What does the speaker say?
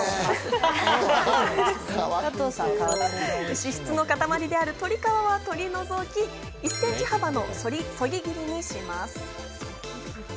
脂質のかたまりである鶏皮は取り除き、１ｃｍ幅のそぎ切りにします。